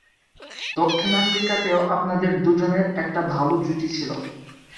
দক্ষিণ আফ্রিকাতেও আপনাদের দুজনের একটা ভালো জুটি ছিল...